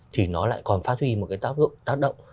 thì nó lại còn phát huy một cái tác động